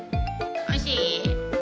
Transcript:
おいしい？